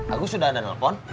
aku sudah ada telepon